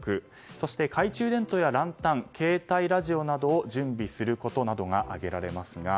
そして懐中電灯やランタン携帯ラジオなどを準備することなどが挙げられます。